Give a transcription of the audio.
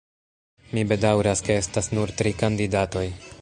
Mi bedaŭras ke estas nur tri kandidatoj.